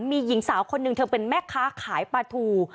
มีหญิงสาวคนหนึ่งเธอเป็นแม่ค้าขายปลาทู